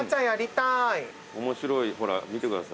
面白いほら見てください。